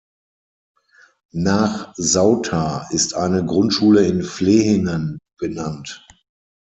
Nach Sauter ist eine Grundschule in Flehingen benannt.